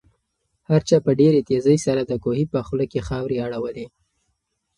هر چا په ډېرې تېزۍ سره د کوهي په خوله کې خاورې اړولې.